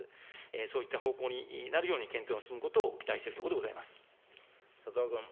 そういった方向になるように検討が進むことを期待しているところ佐藤君。